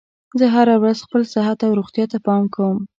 زه هره ورځ خپل صحت او روغتیا ته پام کوم